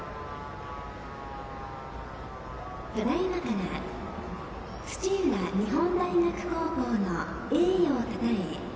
ただいまから土浦日本大学高校の栄誉をたたえ